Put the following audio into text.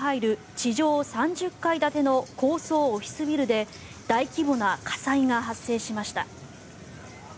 地上３０階建ての高層オフィスビルで大規模な火災が発生しました。